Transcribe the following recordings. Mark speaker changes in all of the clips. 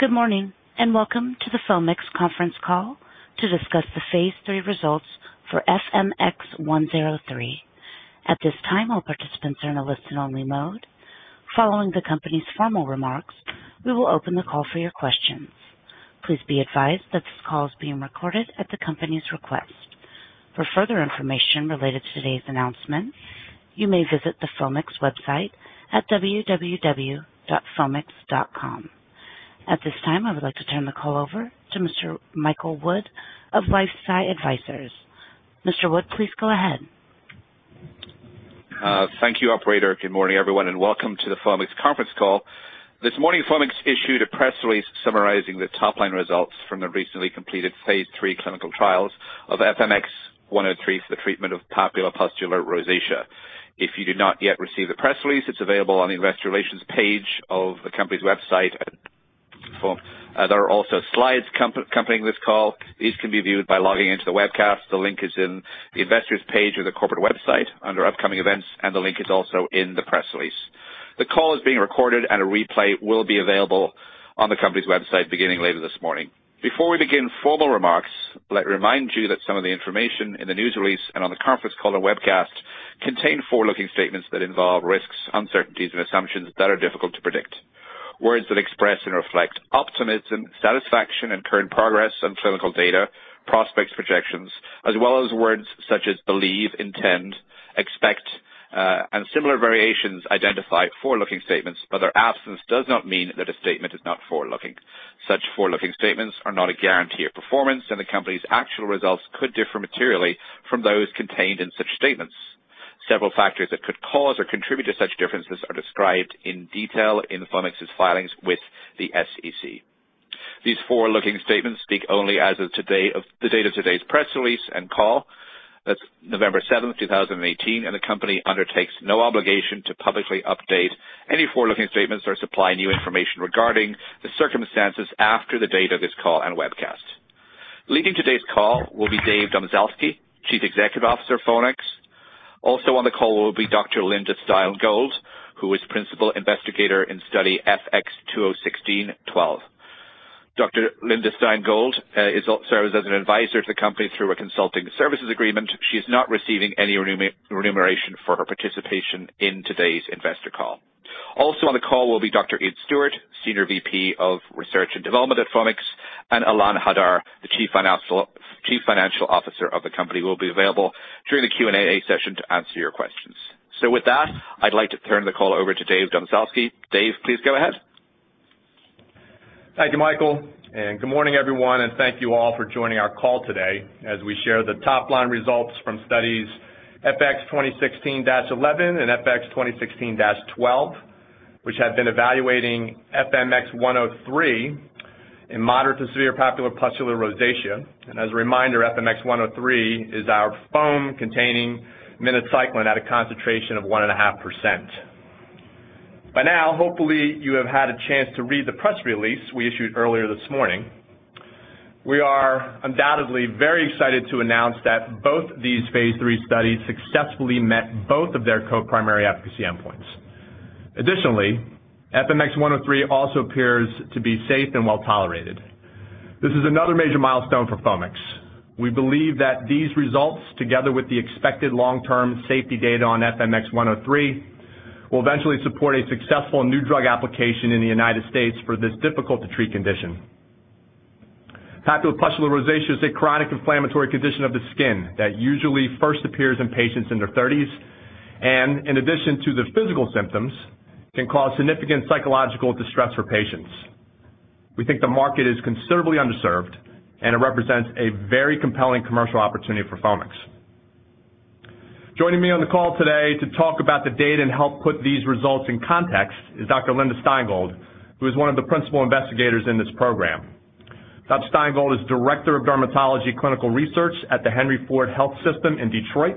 Speaker 1: Good morning, welcome to the Foamix conference call to discuss the phase III results for FMX103. At this time, all participants are in a listen-only mode. Following the company's formal remarks, we will open the call for your questions. Please be advised that this call is being recorded at the company's request. For further information related to today's announcement, you may visit the Foamix website at www.foamix.com. At this time, I would like to turn the call over to Mr. Michael Wood of LifeSci Advisors. Mr. Wood, please go ahead.
Speaker 2: Thank you, operator. Good morning, everyone, welcome to the Foamix conference call. This morning, Foamix issued a press release summarizing the top-line results from the recently completed phase III clinical trials of FMX103 for the treatment of papulopustular rosacea. If you did not yet receive the press release, it's available on the investor relations page of the company's website. There are also slides accompanying this call. These can be viewed by logging into the webcast. The link is in the investor's page of the corporate website under upcoming events, and the link is also in the press release. The call is being recorded, a replay will be available on the company's website beginning later this morning. Before we begin formal remarks, let me remind you that some of the information in the news release and on the conference call and webcast contain forward-looking statements that involve risks, uncertainties, and assumptions that are difficult to predict. Words that express and reflect optimism, satisfaction in current progress in clinical data, prospects, projections, as well as words such as believe, intend, expect, and similar variations identify forward-looking statements, but their absence does not mean that a statement is not forward-looking. Such forward-looking statements are not a guarantee of performance, and the company's actual results could differ materially from those contained in such statements. Several factors that could cause or contribute to such differences are described in detail in Foamix's filings with the SEC. These forward-looking statements speak only as of the date of today's press release and call. That's November 7th, 2018. The company undertakes no obligation to publicly update any forward-looking statements or supply new information regarding the circumstances after the date of this call and webcast. Leading today's call will be Dave Domzalski, Chief Executive Officer of Foamix. Also on the call will be Dr. Linda Stein Gold, who is Principal Investigator in study FX2016-12. Dr. Linda Stein Gold serves as an advisor to the company through a consulting services agreement. She is not receiving any remuneration for her participation in today's investor call. Also on the call will be Dr. Iain Stuart, Senior VP of Research and Development at Foamix, and Ilan Hadar, the Chief Financial Officer of the company, will be available during the Q&A session to answer your questions. With that, I'd like to turn the call over to Dave Domzalski. Dave, please go ahead.
Speaker 3: Thank you, Michael, good morning, everyone, and thank you all for joining our call today as we share the top-line results from studies FX2016-11 and FX2016-12, which have been evaluating FMX103 in moderate to severe papulopustular rosacea. As a reminder, FMX103 is our foam containing minocycline at a concentration of 1.5%. By now, hopefully, you have had a chance to read the press release we issued earlier this morning. We are undoubtedly very excited to announce that both these phase III studies successfully met both of their co-primary efficacy endpoints. Additionally, FMX103 also appears to be safe and well-tolerated. This is another major milestone for Foamix. We believe that these results, together with the expected long-term safety data on FMX103, will eventually support a successful new drug application in the U.S. for this difficult-to-treat condition. Papulopustular rosacea is a chronic inflammatory condition of the skin that usually first appears in patients in their 30s and, in addition to the physical symptoms, can cause significant psychological distress for patients. We think the market is considerably underserved, and it represents a very compelling commercial opportunity for Foamix. Joining me on the call today to talk about the data and help put these results in context is Dr. Linda Stein Gold, who is one of the principal investigators in this program. Dr. Stein Gold is Director of Dermatology Clinical Research at the Henry Ford Health System in Detroit,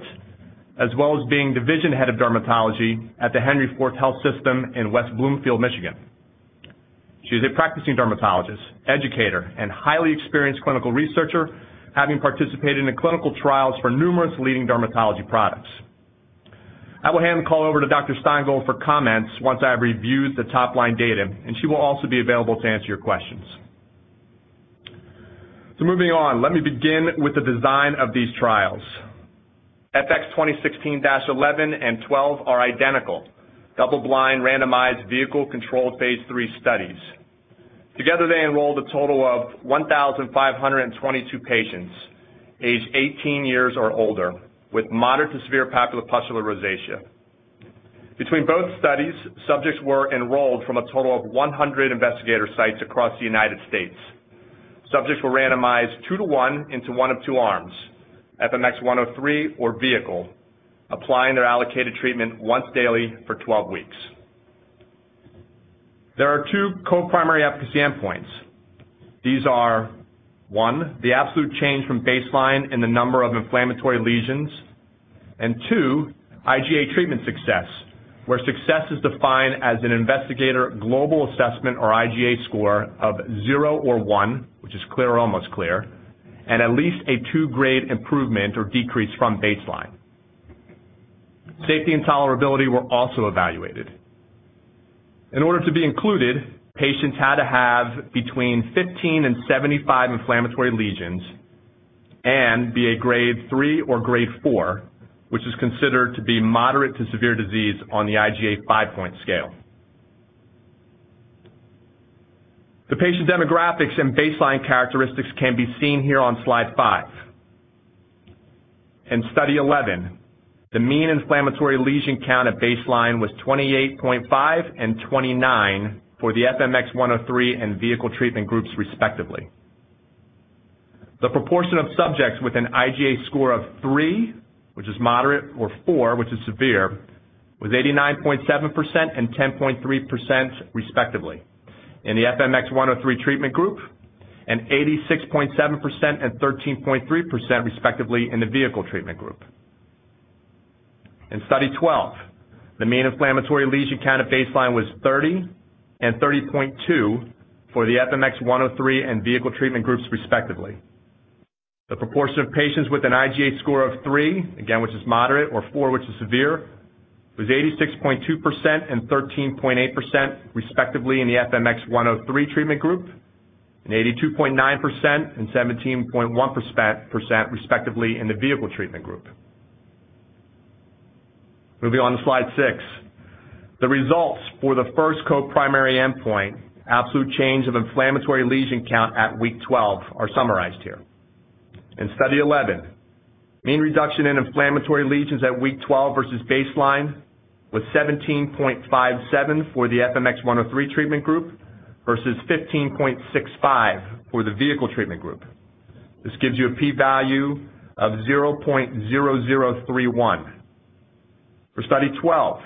Speaker 3: as well as being Division Head of Dermatology at the Henry Ford Health System in West Bloomfield, Michigan. She's a practicing dermatologist, educator, and highly experienced clinical researcher, having participated in clinical trials for numerous leading dermatology products. I will hand the call over to Dr. Stein Gold for comments once I have reviewed the top-line data. She will also be available to answer your questions. Moving on, let me begin with the design of these trials. FX2016-11 and 12 are identical double-blind randomized vehicle-controlled phase III studies. Together, they enrolled a total of 1,522 patients aged 18 years or older with moderate to severe papulopustular rosacea. Between both studies, subjects were enrolled from a total of 100 investigator sites across the United States. Subjects were randomized two to one into one of two arms, FMX103 or vehicle, applying their allocated treatment once daily for 12 weeks. There are two co-primary efficacy endpoints. These are, one, the absolute change from baseline in the number of inflammatory lesions, and two, IGA treatment success, where success is defined as an investigator global assessment or IGA score of zero or one, which is clear or almost clear, and at least a two-grade improvement or decrease from baseline. Safety and tolerability were also evaluated. In order to be included, patients had to have between 15 and 75 inflammatory lesions and be a Grade 3 or Grade 4, which is considered to be moderate to severe disease on the IGA five-point scale. The patient demographics and baseline characteristics can be seen here on slide five. In Study 11, the mean inflammatory lesion count at baseline was 28.5 and 29 for the FMX103 and vehicle treatment groups, respectively. The proportion of subjects with an IGA score of three, which is moderate, or four, which is severe, was 89.7% and 10.3%, respectively, in the FMX103 treatment group, and 86.7% and 13.3%, respectively, in the vehicle treatment group. In Study 12, the mean inflammatory lesion count at baseline was 30 and 30.2 for the FMX103 and vehicle treatment groups, respectively. The proportion of patients with an IGA score of three, again, which is moderate, or four, which is severe, was 86.2% and 13.8%, respectively, in the FMX103 treatment group, and 82.9% and 17.1%, respectively, in the vehicle treatment group. Moving on to slide six. The results for the first co-primary endpoint, absolute change of inflammatory lesion count at week 12, are summarized here. In Study 11, mean reduction in inflammatory lesions at week 12 versus baseline was 17.57 for the FMX103 treatment group versus 15.65 for the vehicle treatment group. This gives you a P value of 0.0031. For Study 12,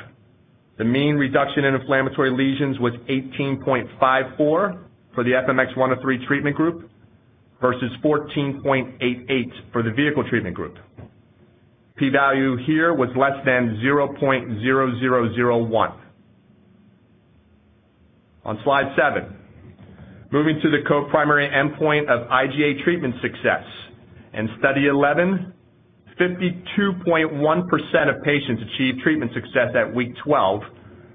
Speaker 3: the mean reduction in inflammatory lesions was 18.54 for the FMX103 treatment group versus 14.88 for the vehicle treatment group. P value here was less than 0.0001. On slide seven, moving to the co-primary endpoint of IGA treatment success. In Study 11, 52.1% of patients achieved treatment success at week 12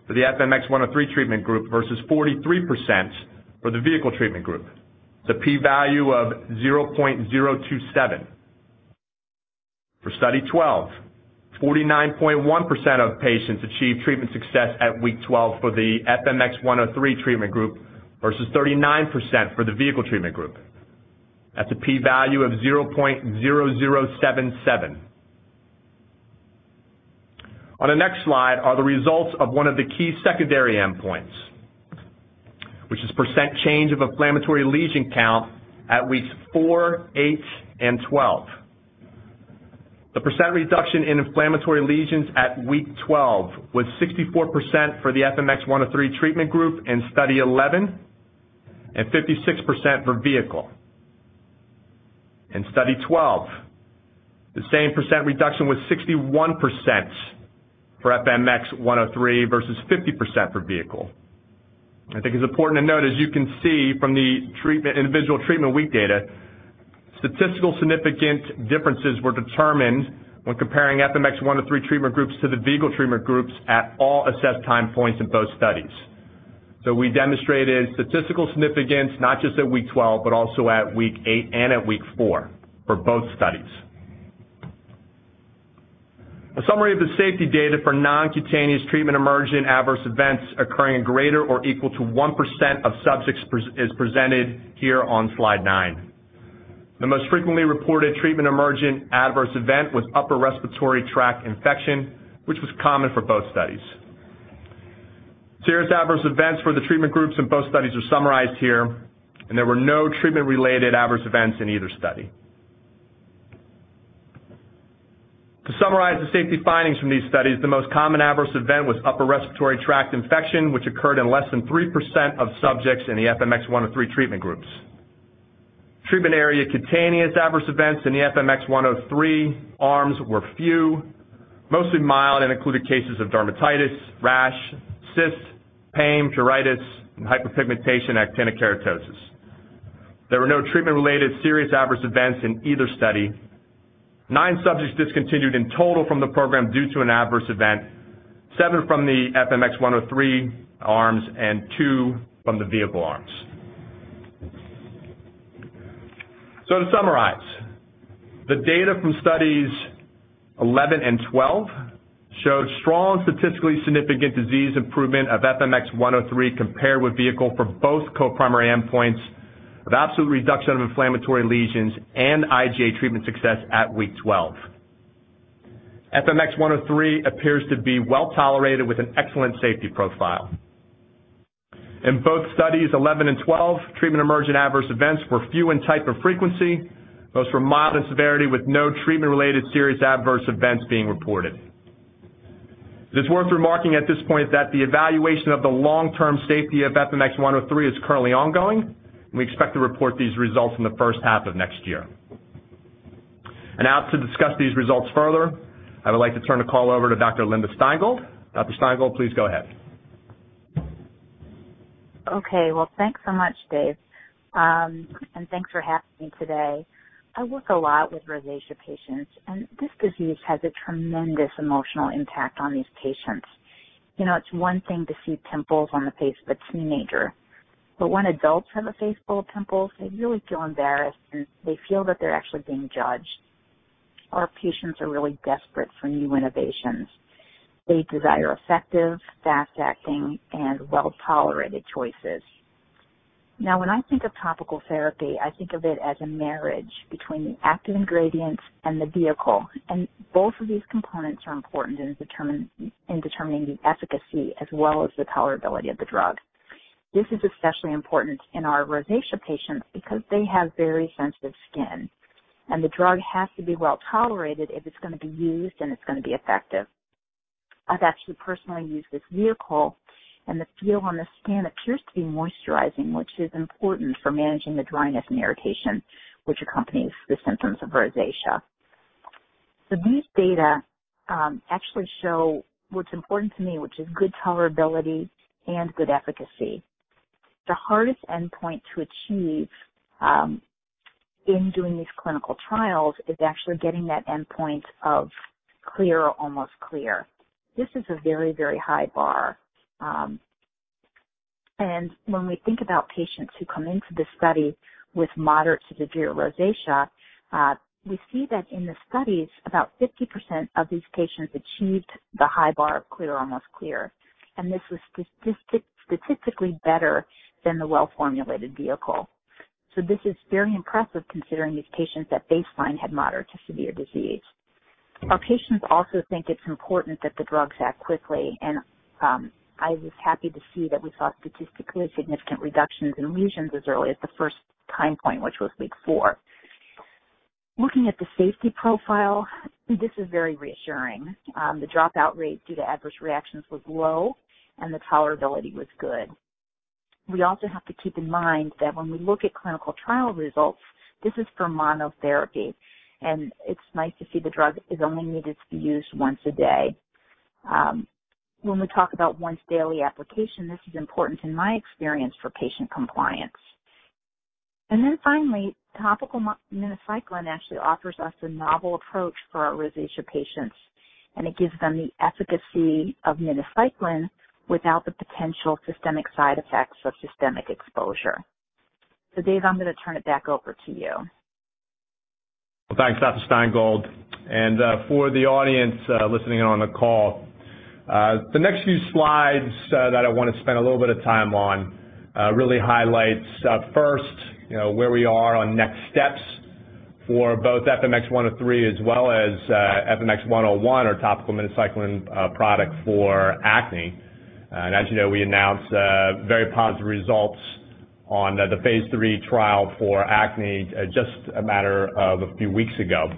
Speaker 3: for the FMX103 treatment group versus 43% for the vehicle treatment group. That's a P value of 0.027. For Study 12, 49.1% of patients achieved treatment success at week 12 for the FMX103 treatment group versus 39% for the vehicle treatment group. That's a P value of 0.0077. On the next slide are the results of one of the key secondary endpoints, which is percent change of inflammatory lesion count at weeks four, eight, and 12. The percent reduction in inflammatory lesions at week 12 was 64% for the FMX103 treatment group in Study 11 and 56% for vehicle. In Study 12, the same percent reduction was 61% for FMX103 versus 50% for vehicle. I think it's important to note, as you can see from the individual treatment week data, statistical significant differences were determined when comparing FMX103 treatment groups to the vehicle treatment groups at all assessed time points in both studies. We demonstrated statistical significance not just at week 12, but also at week eight and at week four for both studies. A summary of the safety data for non-cutaneous treatment-emergent adverse events occurring greater or equal to 1% of subjects is presented here on slide nine. The most frequently reported treatment-emergent adverse event was upper respiratory tract infection, which was common for both studies. Serious adverse events for the treatment groups in both studies are summarized here, and there were no treatment-related adverse events in either study. To summarize the safety findings from these studies, the most common adverse event was upper respiratory tract infection, which occurred in less than 3% of subjects in the FMX103 treatment groups. Treatment area cutaneous adverse events in the FMX103 arms were few, mostly mild, and included cases of dermatitis, rash, cysts, pain, pruritus, and hyperpigmentation actinic keratosis. There were no treatment-related serious adverse events in either study. Nine subjects discontinued in total from the program due to an adverse event, seven from the FMX103 arms and two from the vehicle arms. To summarize, the data from Studies 11 and 12 showed strong statistically significant disease improvement of FMX103 compared with vehicle for both co-primary endpoints of absolute reduction of inflammatory lesions and IGA treatment success at week 12. FMX103 appears to be well-tolerated with an excellent safety profile. In both Studies 11 and 12, treatment-emergent adverse events were few in type of frequency. Most were mild in severity with no treatment-related serious adverse events being reported. It's worth remarking at this point that the evaluation of the long-term safety of FMX103 is currently ongoing, and we expect to report these results in the first half of next year. Now to discuss these results further, I would like to turn the call over to Dr. Linda Stein Gold. Dr. Stein Gold, please go ahead.
Speaker 4: Okay. Well, thanks so much, Dave, and thanks for having me today. I work a lot with rosacea patients, and this disease has a tremendous emotional impact on these patients. It's one thing to see pimples on the face of a teenager, but when adults have a face full of pimples, they really feel embarrassed, and they feel that they're actually being judged. Our patients are really desperate for new innovations. They desire effective, fast-acting, and well-tolerated choices. When I think of topical therapy, I think of it as a marriage between the active ingredients and the vehicle, and both of these components are important in determining the efficacy as well as the tolerability of the drug. This is especially important in our rosacea patients because they have very sensitive skin, and the drug has to be well-tolerated if it's going to be used and it's going to be effective. I've actually personally used this vehicle, and the feel on the skin appears to be moisturizing, which is important for managing the dryness and irritation which accompanies the symptoms of rosacea. These data actually show what's important to me, which is good tolerability and good efficacy. The hardest endpoint to achieve in doing these clinical trials is actually getting that endpoint of clear or almost clear. This is a very, very high bar. When we think about patients who come into the study with moderate to severe rosacea, we see that in the studies, about 50% of these patients achieved the high bar of clear or almost clear, and this was statistically better than the well-formulated vehicle. This is very impressive considering these patients at baseline had moderate to severe disease. Our patients also think it's important that the drugs act quickly, and I was happy to see that we saw statistically significant reductions in lesions as early as the first time point, which was week four. Looking at the safety profile, this is very reassuring. The dropout rate due to adverse reactions was low, and the tolerability was good. We also have to keep in mind that when we look at clinical trial results, this is for monotherapy, and it's nice to see the drug is only needed to be used once a day. When we talk about once daily application, this is important in my experience for patient compliance. Finally, topical minocycline actually offers us a novel approach for our rosacea patients, and it gives them the efficacy of minocycline without the potential systemic side effects of systemic exposure. Dave, I'm going to turn it back over to you.
Speaker 3: Well, thanks, Dr. Stein Gold. For the audience listening on the call, the next few slides that I want to spend a little bit of time on really highlights first, where we are on next steps for both FMX103 as well as FMX101, our topical minocycline product for acne. As you know, we announced very positive results on the phase III trial for acne just a matter of a few weeks ago.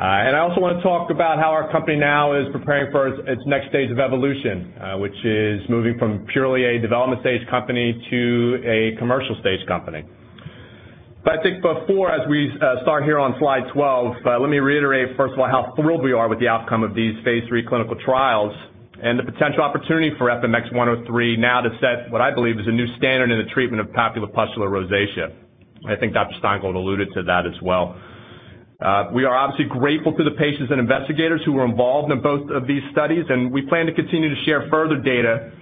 Speaker 3: I also want to talk about how our company now is preparing for its next stage of evolution, which is moving from purely a development stage company to a commercial stage company. I think before, as we start here on slide 12, let me reiterate first of all, how thrilled we are with the outcome of these phase III clinical trials and the potential opportunity for FMX103 now to set what I believe is a new standard in the treatment of papulopustular rosacea. I think Dr. Stein Gold alluded to that as well. We are obviously grateful to the patients and investigators who were involved in both of these studies, and we plan to continue to share further data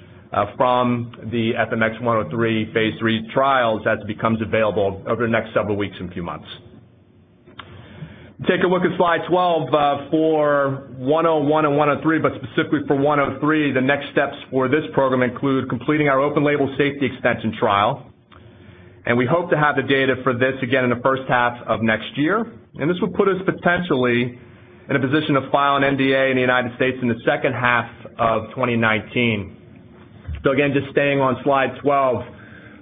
Speaker 3: from the FMX103 phase III trials as it becomes available over the next several weeks and few months. Take a look at slide 12 for 101 and 103, but specifically for 103, the next steps for this program include completing our open label safety extension trial. We hope to have the data for this again in the first half of next year. This will put us potentially in a position to file an NDA in the U.S. in the second half of 2019. Again, just staying on slide 12,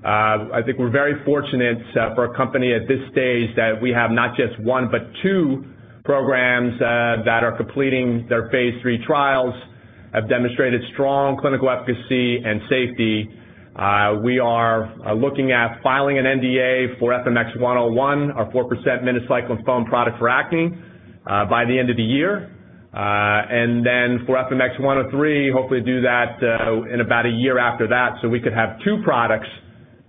Speaker 3: I think we're very fortunate for a company at this stage that we have not just one, but two programs that are completing their phase III trials, have demonstrated strong clinical efficacy and safety. We are looking at filing an NDA for FMX101, our 4% minocycline foam product for acne, by the end of the year. For FMX103, hopefully do that in about a year after that, so we could have two products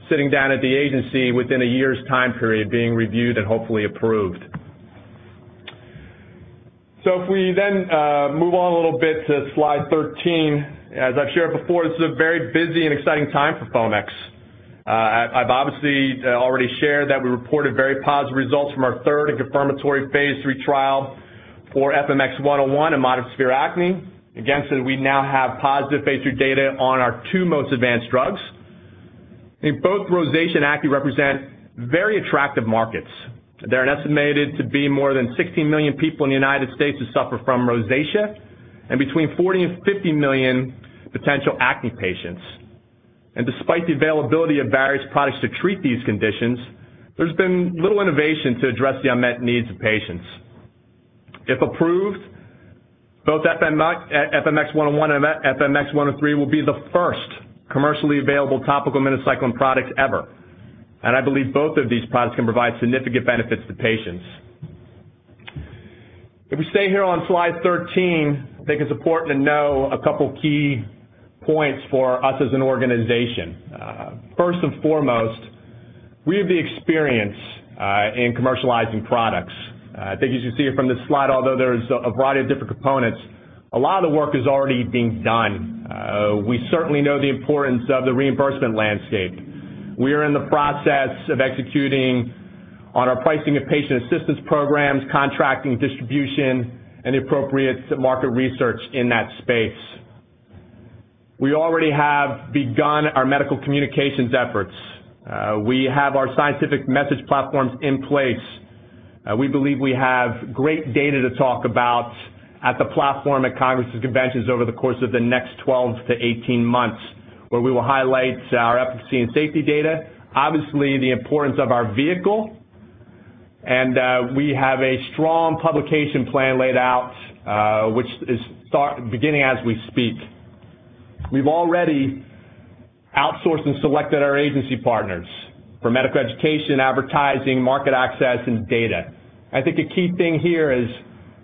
Speaker 3: sitting down at the agency within a year's time period being reviewed and hopefully approved. If we then move on a little bit to slide 13, as I've shared before, this is a very busy and exciting time for Foamix. I've obviously already shared that we reported very positive results from our third and confirmatory phase III trial for FMX101 in moderate to severe acne. We now have positive phase III data on our two most advanced drugs. I think both rosacea and acne represent very attractive markets. There are estimated to be more than 16 million people in the United States who suffer from rosacea and between 40 and 50 million potential acne patients. Despite the availability of various products to treat these conditions, there's been little innovation to address the unmet needs of patients. If approved, both FMX101 and FMX103 will be the first commercially available topical minocycline products ever, and I believe both of these products can provide significant benefits to patients. If we stay here on slide 13, I think it's important to know a couple key points for us as an organization. First and foremost, we have the experience in commercializing products. I think as you see it from this slide, although there's a variety of different components, a lot of the work is already being done. We certainly know the importance of the reimbursement landscape. We are in the process of executing on our pricing and patient assistance programs, contracting, distribution, and the appropriate market research in that space. We already have begun our medical communications efforts. We have our scientific message platforms in place. We believe we have great data to talk about at the platform at congresses conventions over the course of the next 12-18 months, where we will highlight our efficacy and safety data, obviously the importance of our vehicle, and we have a strong publication plan laid out, which is beginning as we speak. We've already outsourced and selected our agency partners for medical education, advertising, market access, and data. I think a key thing here is,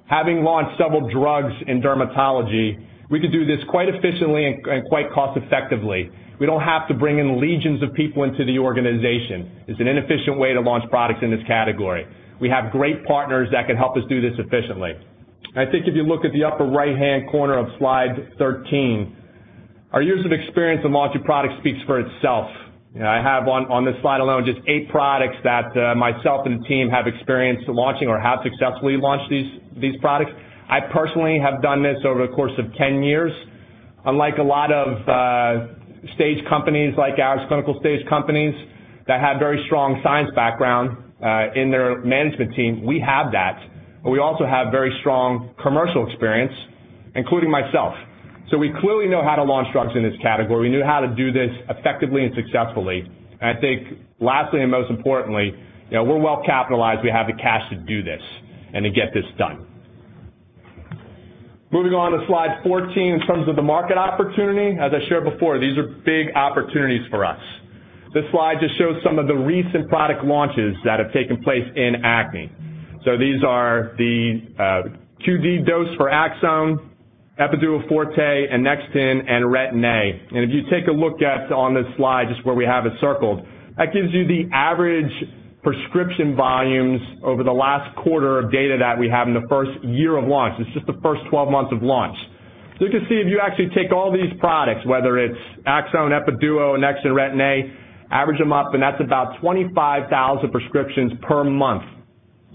Speaker 3: having launched several drugs in dermatology, we could do this quite efficiently and quite cost effectively. We don't have to bring in legions of people into the organization. It's an inefficient way to launch products in this category. We have great partners that can help us do this efficiently. I think if you look at the upper right-hand corner of slide 13, our years of experience in launching products speaks for itself. I have on this slide alone just eight products that myself and the team have experience launching or have successfully launched these products. I personally have done this over the course of 10 years. Unlike a lot of stage companies like ours, clinical stage companies that have very strong science background in their management team, we have that, but we also have very strong commercial experience, including myself. We clearly know how to launch drugs in this category. We know how to do this effectively and successfully. I think lastly and most importantly, we're well capitalized. We have the cash to do this and to get this done. Moving on to slide 14, in terms of the market opportunity, as I shared before, these are big opportunities for us. This slide just shows some of the recent product launches that have taken place in acne. These are the qd dose for Aczone, Epiduo Forte, Nextera, and Retin-A. If you take a look at on this slide, just where we have it circled, that gives you the average prescription volumes over the last quarter of data that we have in the first year of launch. It's just the first 12 months of launch. You can see if you actually take all these products, whether it's Aczone, Epiduo, Nexion, Retin-A, average them up, that's about 25,000 prescriptions per month.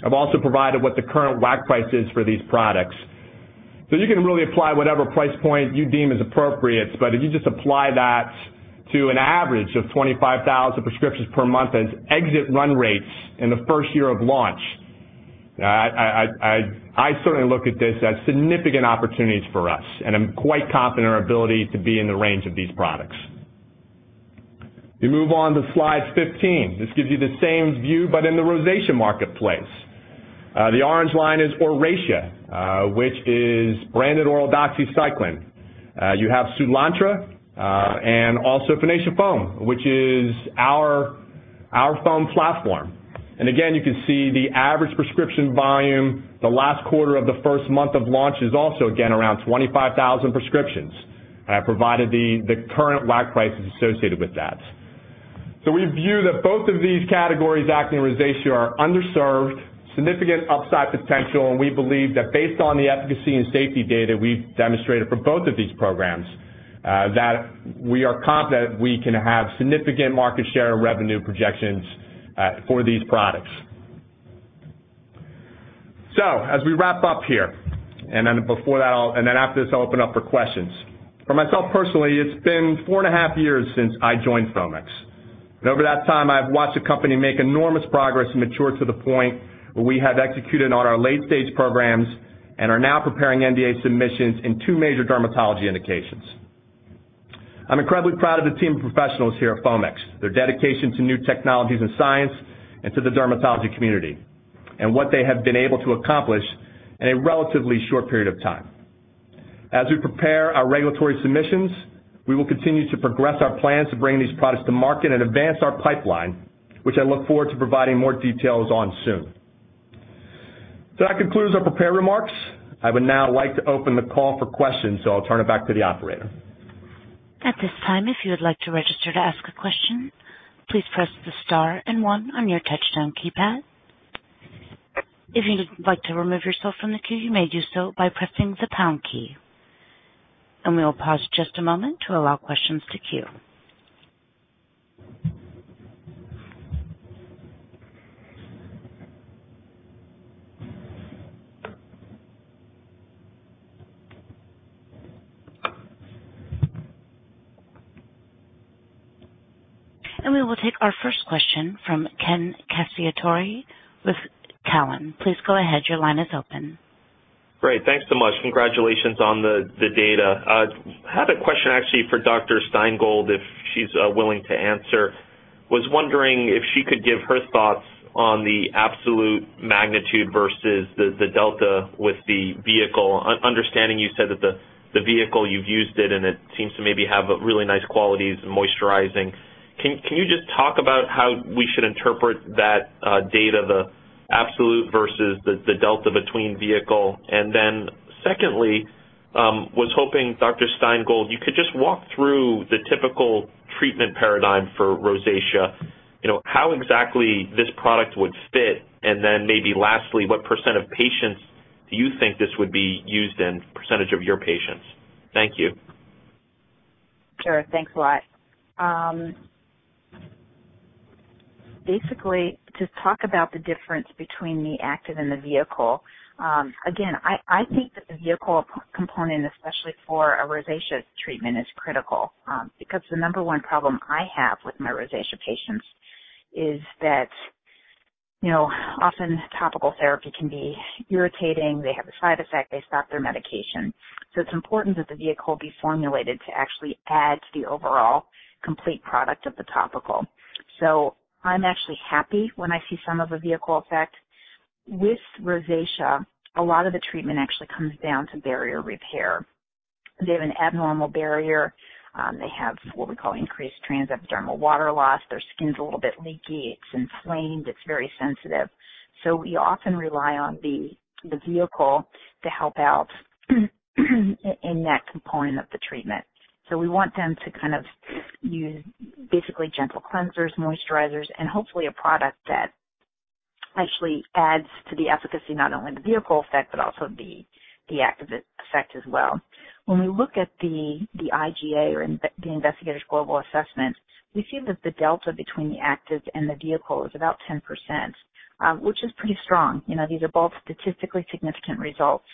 Speaker 3: I've also provided what the current WAC price is for these products. You can really apply whatever price point you deem is appropriate, if you just apply that to an average of 25,000 prescriptions per month as exit run rates in the first year of launch, I certainly look at this as significant opportunities for us, I'm quite confident in our ability to be in the range of these products. You move on to slide 15. This gives you the same view, but in the rosacea marketplace. The orange line is Oracea, which is branded oral doxycycline. You have Soolantra and also Finacea foam, which is our foam platform. Again, you can see the average prescription volume the last quarter of the first month of launch is also, again, around 25,000 prescriptions. I have provided the current WAC prices associated with that. We view that both of these categories, acne and rosacea, are underserved, significant upside potential, we believe that based on the efficacy and safety data we've demonstrated for both of these programs, that we are confident we can have significant market share and revenue projections for these products. As we wrap up here, then after this, I'll open up for questions. For myself personally, it's been 4.5 years since I joined Foamix. Over that time, I've watched the company make enormous progress and mature to the point where we have executed on our late-stage programs and are now preparing NDA submissions in two major dermatology indications. I'm incredibly proud of the team of professionals here at Foamix, their dedication to new technologies and science, to the dermatology community, what they have been able to accomplish in a relatively short period of time. As we prepare our regulatory submissions, we will continue to progress our plans to bring these products to market and advance our pipeline, which I look forward to providing more details on soon. That concludes our prepared remarks. I would now like to open the call for questions, I'll turn it back to the operator.
Speaker 1: At this time, if you would like to register to ask a question, please press the star and one on your touchtone keypad. If you'd like to remove yourself from the queue, you may do so by pressing the pound key. We will pause just a moment to allow questions to queue. We will take our first question from Ken Cacciatore with Cowen. Please go ahead. Your line is open.
Speaker 5: Great. Thanks so much. Congratulations on the data. I have a question actually for Dr. Stein Gold, if she's willing to answer. I was wondering if she could give her thoughts on the absolute magnitude versus the delta with the vehicle. Understanding you said that the vehicle, you've used it and it seems to maybe have really nice qualities in moisturizing. Can you just talk about how we should interpret that data, the absolute versus the delta between vehicle? Secondly, I was hoping, Dr. Stein Gold, you could just walk through the typical treatment paradigm for rosacea. How exactly this product would fit, and then maybe lastly, what percent of patients do you think this would be used in, percentage of your patients? Thank you.
Speaker 4: Sure. Thanks a lot. To talk about the difference between the active and the vehicle. Again, I think that the vehicle component, especially for a rosacea treatment, is critical. The number one problem I have with my rosacea patients is that, often topical therapy can be irritating. They have a side effect, they stop their medication. It's important that the vehicle be formulated to actually add to the overall complete product of the topical. I'm actually happy when I see some of the vehicle effect. With rosacea, a lot of the treatment actually comes down to barrier repair. They have an abnormal barrier. They have what we call increased transepidermal water loss. Their skin's a little bit leaky, it's inflamed, it's very sensitive. We often rely on the vehicle to help out in that component of the treatment. We want them to use basically gentle cleansers, moisturizers, hopefully a product that actually adds to the efficacy, not only the vehicle effect, but also the active effect as well. When we look at the IGA or the investigator's global assessment, we see that the delta between the actives and the vehicle is about 10%, which is pretty strong. These are both statistically significant results,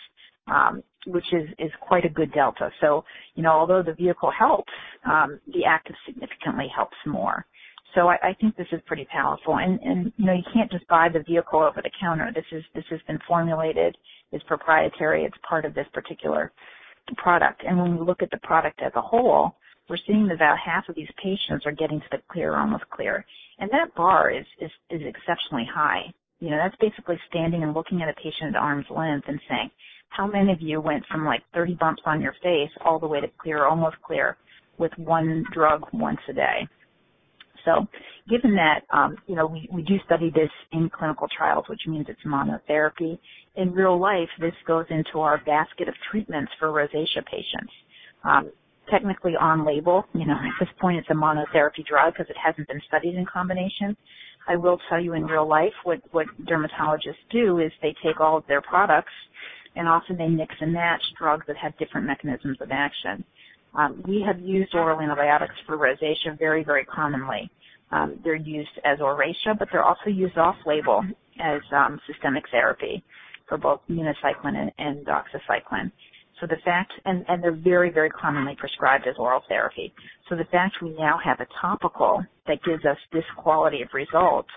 Speaker 4: which is quite a good delta. Although the vehicle helps, the active significantly helps more. I think this is pretty powerful. You can't just buy the vehicle over the counter. This has been formulated, it's proprietary, it's part of this particular product. When we look at the product as a whole, we're seeing that about half of these patients are getting to the clear, almost clear. That bar is exceptionally high. That's basically standing and looking at a patient at arm's length and saying, "How many of you went from, like, 30 bumps on your face all the way to clear, almost clear, with one drug once a day?" Given that, we do study this in clinical trials, which means it's monotherapy. In real life, this goes into our basket of treatments for rosacea patients. Technically on label, at this point, it's a monotherapy drug because it hasn't been studied in combination. I will tell you in real life, what dermatologists do is they take all of their products, and often they mix and match drugs that have different mechanisms of action. We have used oral antibiotics for rosacea very commonly. They're used as Oracea, but they're also used off label as systemic therapy for both minocycline and doxycycline. They're very commonly prescribed as oral therapy. The fact we now have a topical that gives us this quality of results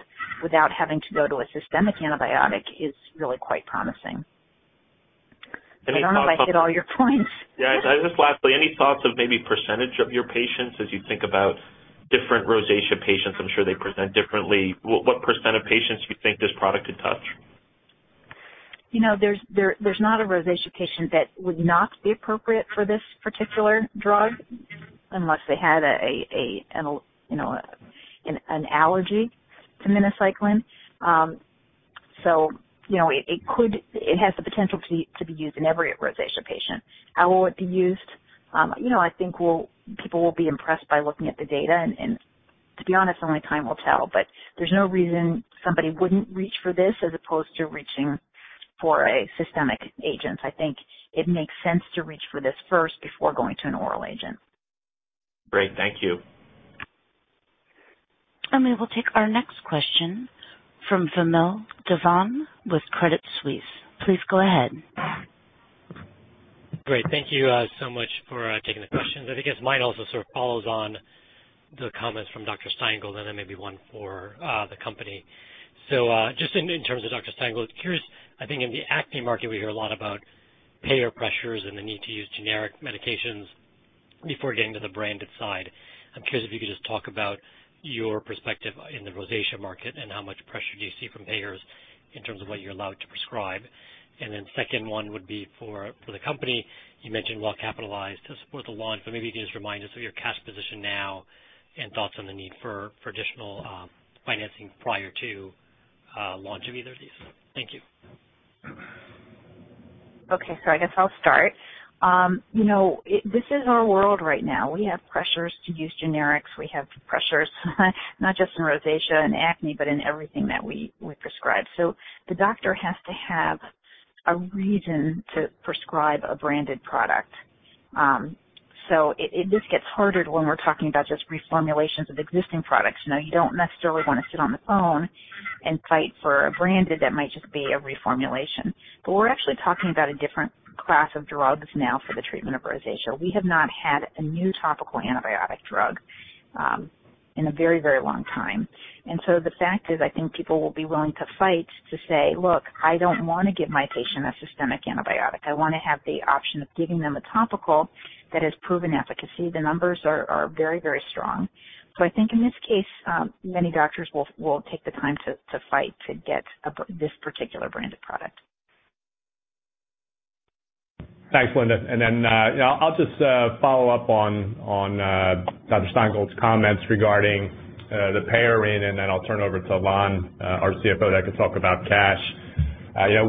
Speaker 4: without having to go to a systemic antibiotic is really quite promising.
Speaker 5: Any thoughts I-
Speaker 4: I don't know if I hit all your points.
Speaker 5: Yeah. Just lastly, any thoughts of maybe percentage of your patients as you think about different rosacea patients, I'm sure they present differently. What percent of patients do you think this product could touch?
Speaker 4: There's not a rosacea patient that would not be appropriate for this particular drug unless they had an allergy to minocycline. It has the potential to be used in every rosacea patient. How will it be used? I think people will be impressed by looking at the data, and to be honest, only time will tell. There's no reason somebody wouldn't reach for this as opposed to reaching for a systemic agent. I think it makes sense to reach for this first before going to an oral agent.
Speaker 5: Great. Thank you.
Speaker 1: We will take our next question from Vamil Divan with Credit Suisse. Please go ahead.
Speaker 6: Great. Thank you so much for taking the questions. I guess mine also sort of follows on the comments from Dr. Stein Gold, then maybe one for the company. Just in terms of Dr. Stein Gold, I'm curious. I think in the acne market, we hear a lot about payer pressures and the need to use generic medications before getting to the branded side. I'm curious if you could just talk about your perspective in the rosacea market and how much pressure do you see from payers in terms of what you're allowed to prescribe. Then second one would be for the company. You mentioned well-capitalized to support the launch, but maybe you can just remind us of your cash position now and thoughts on the need for additional financing prior to launch of either of these. Thank you.
Speaker 4: Okay. I guess I'll start. This is our world right now. We have pressures to use generics. We have pressures not just in rosacea and acne, but in everything that we prescribe. The doctor has to have a reason to prescribe a branded product. This gets harder when we're talking about just reformulations of existing products. You don't necessarily want to sit on the phone and fight for a branded that might just be a reformulation. We're actually talking about a different class of drugs now for the treatment of rosacea. We have not had a new topical antibiotic drug in a very long time. The fact is, I think people will be willing to fight to say, "Look, I don't want to give my patient a systemic antibiotic. I want to have the option of giving them a topical that has proven efficacy." The numbers are very strong. I think in this case, many doctors will take the time to fight to get this particular branded product.
Speaker 3: Thanks, Linda. Then I'll just follow up on Dr. Stein Gold's comments regarding the payer arena, then I'll turn over to Ilan, our CFO, that can talk about cash.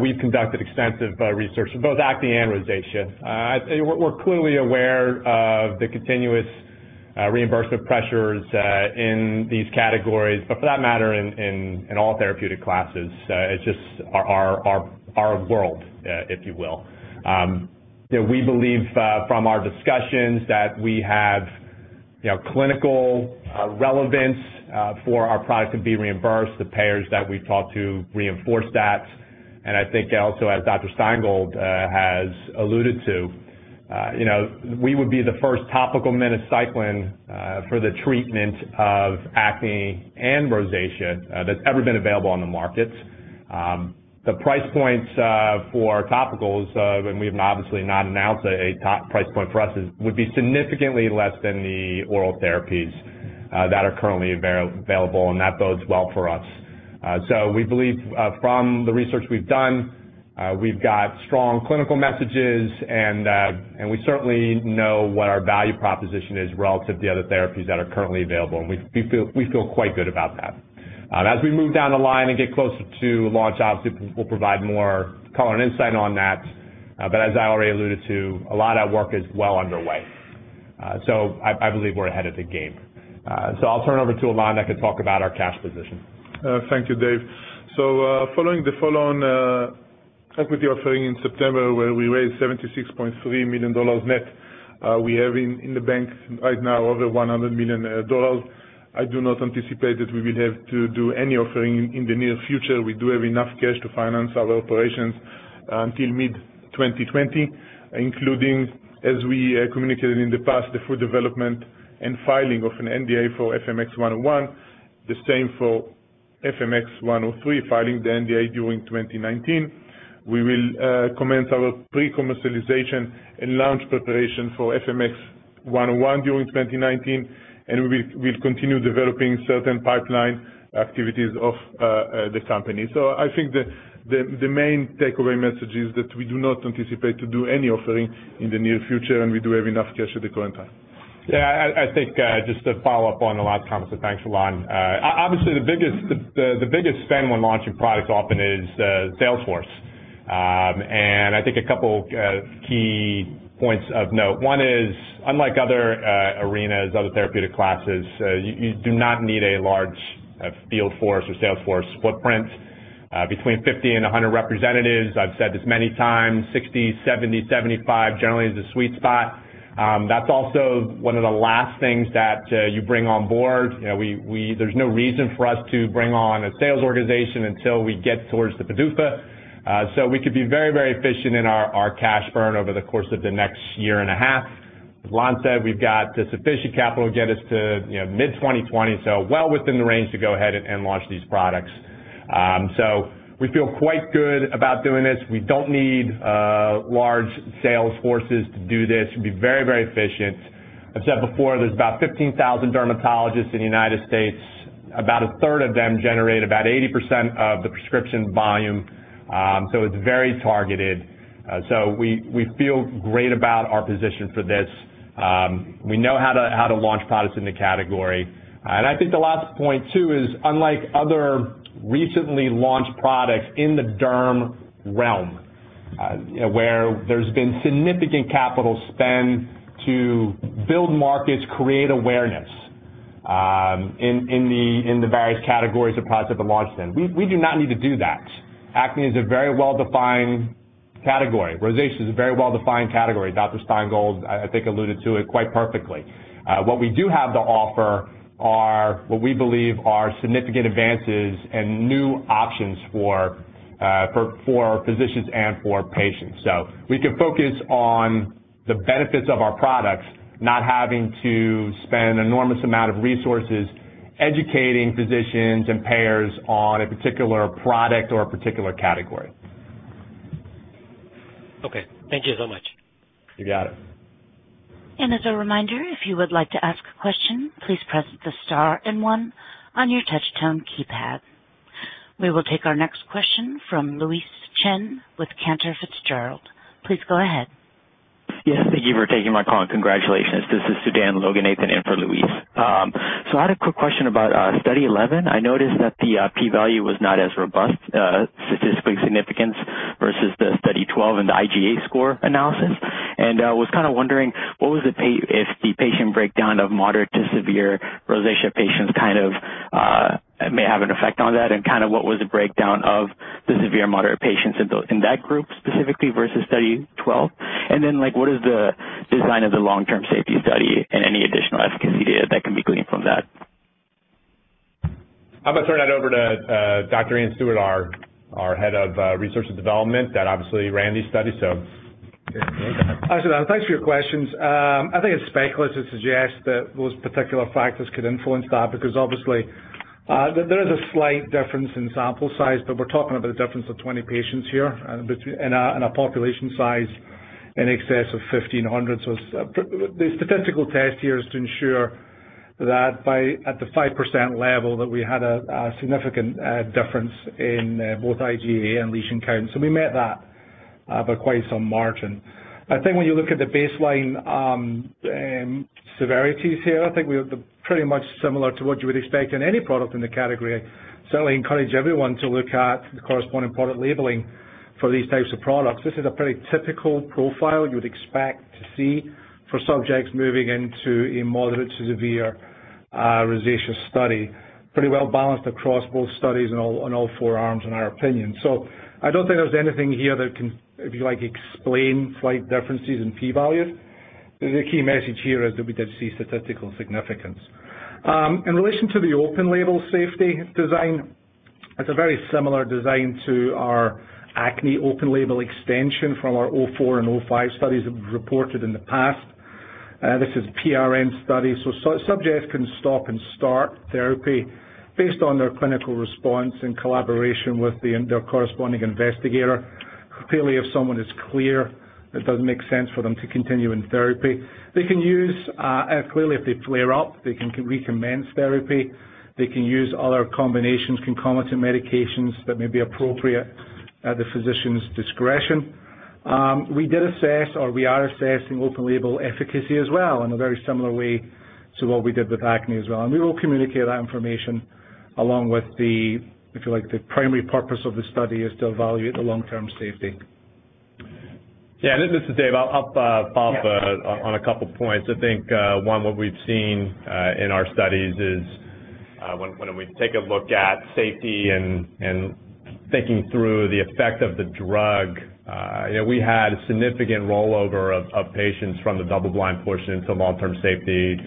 Speaker 3: We've conducted extensive research for both acne and rosacea. We're clearly aware of the continuous reimbursement pressures in these categories, but for that matter, in all therapeutic classes. It's just our world, if you will. We believe from our discussions that we have clinical relevance for our product to be reimbursed. The payers that we've talked to reinforce that. I think also as Dr. Stein Gold has alluded to, we would be the first topical minocycline for the treatment of acne and rosacea that's ever been available on the market. The price points for topicals. We have obviously not announced a top price point for us, would be significantly less than the oral therapies that are currently available. That bodes well for us. We believe, from the research we've done, we've got strong clinical messages. We certainly know what our value proposition is relative to the other therapies that are currently available. We feel quite good about that. As we move down the line and get closer to launch, obviously, we'll provide more color and insight on that. As I already alluded to, a lot of that work is well underway. I believe we're ahead of the game. I'll turn over to Ilan that can talk about our cash position.
Speaker 7: Thank you, Dave. Following the follow-on equity offering in September where we raised $76.3 million net, we have in the bank right now over $100 million. I do not anticipate that we will have to do any offering in the near future. We do have enough cash to finance our operations until mid-2020, including, as we communicated in the past, the full development and filing of an NDA for FMX101, the same for FMX103, filing the NDA during 2019. We will commence our pre-commercialization and launch preparation for FMX101 during 2019. We'll continue developing certain pipeline activities of the company. I think the main takeaway message is that we do not anticipate to do any offering in the near future. We do have enough cash at the current time.
Speaker 3: I think, just to follow up on Ilan's comments. Thanks, Ilan. Obviously, the biggest spend when launching products often is Salesforce. I think a couple key points of note. One is, unlike other arenas, other therapeutic classes, you do not need a large field force or Salesforce footprint. Between 50 and 100 representatives, I've said this many times, 60, 70, 75 generally is the sweet spot. That's also one of the last things that you bring on board. There's no reason for us to bring on a sales organization until we get towards the PDUFA. We could be very efficient in our cash burn over the course of the next year and a half. As Ilan said, we've got the sufficient capital to get us to mid-2020, well within the range to go ahead and launch these products. We feel quite good about doing this. We don't need large sales forces to do this. We'll be very efficient. I've said before, there's about 15,000 dermatologists in the United States. About a third of them generate about 80% of the prescription volume. It's very targeted. We feel great about our position for this. We know how to launch products in the category. I think the last point, too, is unlike other recently launched products in the derm realm, where there's been significant capital spend to build markets, create awareness in the various categories of products that have launched then. We do not need to do that. Acne is a very well-defined category. Rosacea is a very well-defined category. Dr. Stein Gold, I think, alluded to it quite perfectly. What we do have to offer are what we believe are significant advances and new options for physicians and for patients. We can focus on the benefits of our products, not having to spend an enormous amount of resources educating physicians and payers on a particular product or a particular category.
Speaker 6: Okay. Thank you so much.
Speaker 3: You got it.
Speaker 1: As a reminder, if you would like to ask a question, please press the star and one on your touch tone keypad. We will take our next question from Louise Chen with Cantor Fitzgerald. Please go ahead.
Speaker 8: Yes, thank you for taking my call, congratulations. This is Sudan Loganathan in for Louise. I had a quick question about Study 11. I noticed that the P-value was not as robust statistically significance versus the Study 12 in the IGA score analysis. I was kind of wondering, what was it, if the patient breakdown of moderate to severe rosacea patients kind of may have an effect on that? What was the breakdown of the severe moderate patients in that group specifically versus Study 12? What is the design of the long-term safety study and any additional efficacy data that can be gleaned from that?
Speaker 3: I'm going to turn that over to Dr. Iain Stuart, our head of research and development that obviously ran these studies.
Speaker 9: Hi, Sudan. Thanks for your questions. I think it's speculative to suggest that those particular factors could influence that because obviously there is a slight difference in sample size, but we're talking about a difference of 20 patients here and a population size in excess of 1,500. The statistical test here is to ensure that by at the 5% level, that we had a significant difference in both IGA and lesion count. We met that by quite some margin. I think when you look at the baseline severities here, I think we are pretty much similar to what you would expect in any product in the category. I certainly encourage everyone to look at the corresponding product labeling for these types of products. This is a pretty typical profile you would expect to see for subjects moving into a moderate to severe rosacea study. Pretty well-balanced across both studies on all four arms, in our opinion. I don't think there's anything here that can, if you like, explain slight differences in p-values. The key message here is that we did see statistical significance. In relation to the open label safety design, it's a very similar design to our acne open label extension from our 04 and 05 studies that we've reported in the past. This is a PRN study, so subjects can stop and start therapy based on their clinical response in collaboration with their corresponding investigator. If someone is clear, it doesn't make sense for them to continue in therapy. If they flare up, they can recommence therapy. They can use other combinations, concomitant medications that may be appropriate at the physician's discretion. We did assess, or we are assessing open label efficacy as well in a very similar way to what we did with acne as well. We will communicate that information along with the, if you like, the primary purpose of the study is to evaluate the long-term safety.
Speaker 3: Yeah. This is Dave.
Speaker 8: Yeah
Speaker 3: On a couple points. I think, one, what we've seen in our studies is when we take a look at safety and thinking through the effect of the drug, we had a significant rollover of patients from the double-blind portion into long-term safety.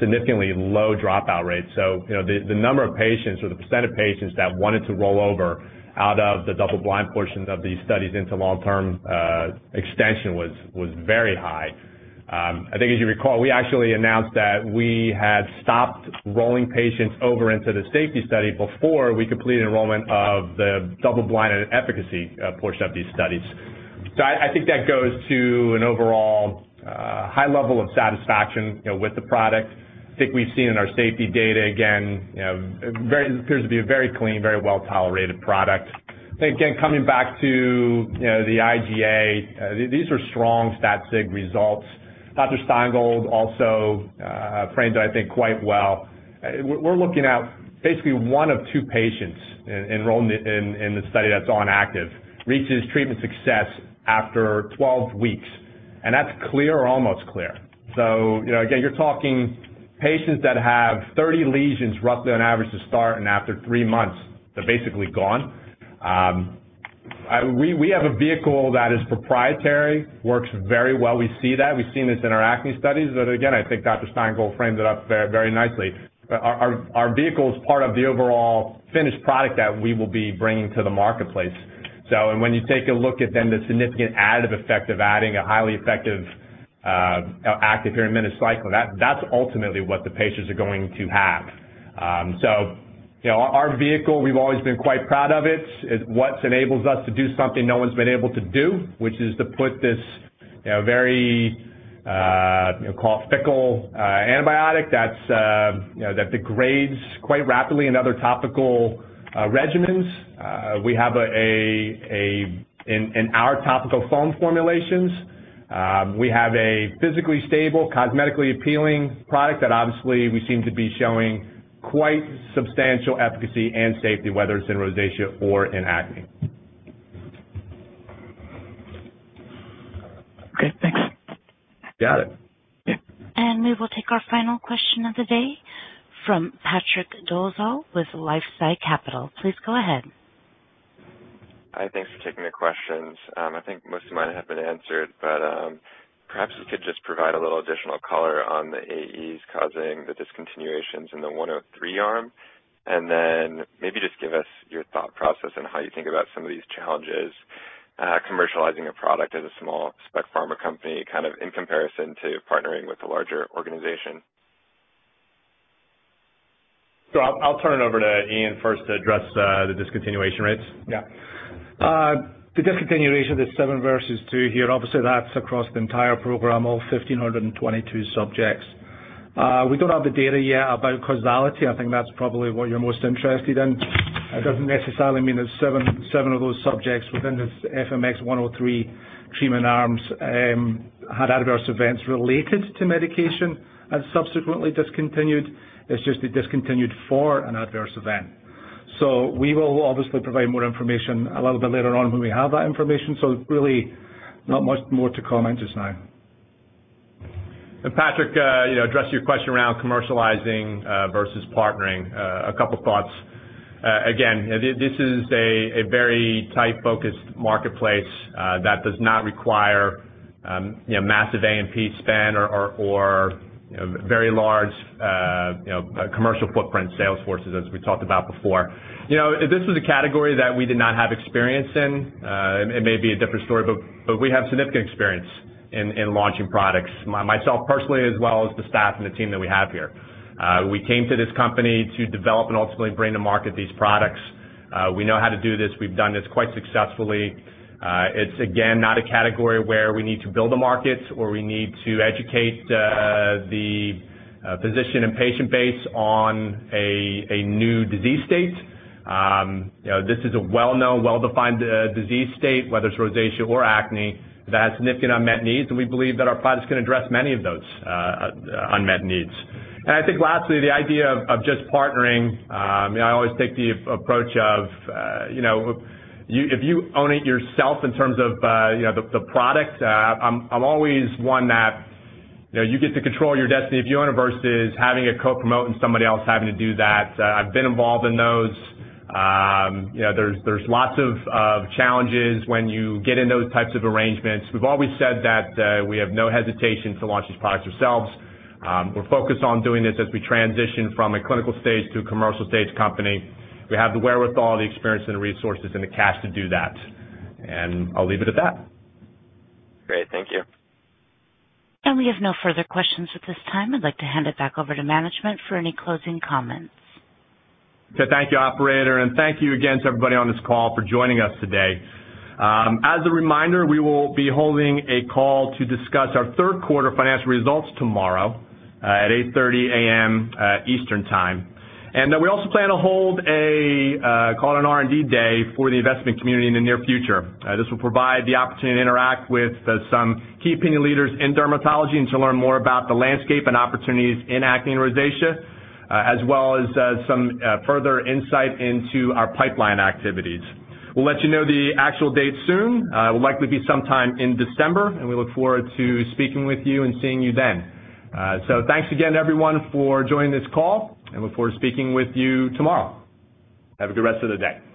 Speaker 3: Significantly low dropout rates. The number of patients or the percent of patients that wanted to roll over out of the double-blind portion of these studies into long-term extension was very high. I think as you recall, we actually announced that we had stopped rolling patients over into the safety study before we completed enrollment of the double-blind and efficacy portion of these studies. I think that goes to an overall high level of satisfaction with the product. I think we've seen in our safety data, again, it appears to be a very clean, very well-tolerated product. I think, again, coming back to the IGA, these are strong stat sig results. Dr. Linda Stein Gold also framed it, I think, quite well. We're looking at basically one of two patients enrolled in the study that's on active. Reaches treatment success after 12 weeks, and that's clear or almost clear. Again, you're talking patients that have 30 lesions, roughly on average, to start, and after three months, they're basically gone. We have a vehicle that is proprietary, works very well. We see that. We've seen this in our acne studies, but again, I think Dr. Linda Stein Gold framed it up very nicely. Our vehicle is part of the overall finished product that we will be bringing to the marketplace. When you take a look at then the significant additive effect of adding a highly effective active pyrimethamine, that's ultimately what the patients are going to have. Our vehicle, we've always been quite proud of it. It's what enables us to do something no one's been able to do, which is to put this very fickle antibiotic that degrades quite rapidly in other topical regimens. In our topical foam formulations, we have a physically stable, cosmetically appealing product that obviously we seem to be showing quite substantial efficacy and safety, whether it's in rosacea or in acne.
Speaker 8: Okay, thanks.
Speaker 3: Got it.
Speaker 9: Yeah. We will take our final question of the day from Patrick Dolezal with LifeSci Capital. Please go ahead.
Speaker 10: Hi. Thanks for taking the questions. I think most of mine have been answered, but perhaps you could just provide a little additional color on the AEs causing the discontinuations in the 103 arm, and then maybe just give us your thought process on how you think about some of these challenges, commercializing a product as a small spec pharma company, kind of in comparison to partnering with a larger organization.
Speaker 3: I'll turn it over to Iain first to address the discontinuation rates.
Speaker 9: Yeah. The discontinuation, the seven versus two here, obviously that's across the entire program, all 1,522 subjects. We don't have the data yet about causality. I think that's probably what you're most interested in. It doesn't necessarily mean that seven of those subjects within the FMX103 treatment arms had adverse events related to medication and subsequently discontinued. It's just they discontinued for an adverse event. We will obviously provide more information a little bit later on when we have that information. Really not much more to comment just now.
Speaker 3: Patrick, address your question around commercializing versus partnering. A couple thoughts. Again, this is a very tight, focused marketplace that does not require massive A&P spend or very large commercial footprint sales forces, as we talked about before. If this was a category that we did not have experience in, it may be a different story, but we have significant experience in launching products. Myself personally, as well as the staff and the team that we have here. We came to this company to develop and ultimately bring to market these products. We know how to do this. We've done this quite successfully. It's, again, not a category where we need to build the markets or we need to educate the physician and patient base on a new disease state. This is a well-known, well-defined disease state, whether it's rosacea or acne, that has significant unmet needs, we believe that our products can address many of those unmet needs. I think lastly, the idea of just partnering, I always take the approach of if you own it yourself in terms of the product, I'm always one that you get to control your destiny if you own it versus having a co-promote and somebody else having to do that. I've been involved in those. There's lots of challenges when you get in those types of arrangements. We've always said that we have no hesitation to launch these products ourselves. We're focused on doing this as we transition from a clinical stage to a commercial stage company. We have the wherewithal, the experience and the resources, and the cash to do that. I'll leave it at that.
Speaker 10: Great. Thank you.
Speaker 1: We have no further questions at this time. I'd like to hand it back over to management for any closing comments.
Speaker 3: Okay. Thank you, operator. Thank you again to everybody on this call for joining us today. As a reminder, we will be holding a call to discuss our third quarter financial results tomorrow at 8:30 A.M. Eastern Time. We also plan to hold a call on R&D day for the investment community in the near future. This will provide the opportunity to interact with some key opinion leaders in dermatology and to learn more about the landscape and opportunities in acne and rosacea, as well as some further insight into our pipeline activities. We'll let you know the actual date soon. It will likely be sometime in December, we look forward to speaking with you and seeing you then. Thanks again, everyone, for joining this call, look forward to speaking with you tomorrow. Have a good rest of the day.